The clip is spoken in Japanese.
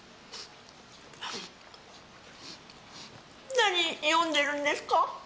何読んでるんですか？